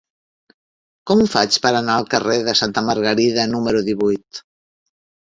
Com ho faig per anar al carrer de Santa Margarida número divuit?